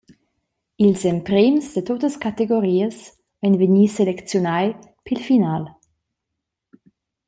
Ils emprems da tuttas categorias ein vegni selecziunai pil final.